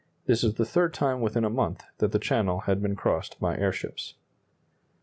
This is the third time within a month that the Channel had been crossed by airships.